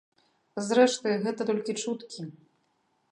Зрэшты, гэта толькі чуткі.